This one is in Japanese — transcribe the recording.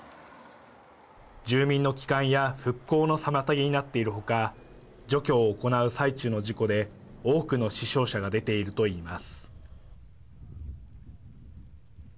住民の帰還や復興の妨げになっている他除去を行う最中の事故で多くの死傷者が出ていると言います。